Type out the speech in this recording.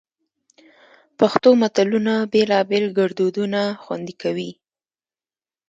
پښتو متلونه بېلابېل ګړدودونه خوندي کوي